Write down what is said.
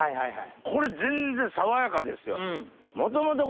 これ全然爽やかですよ。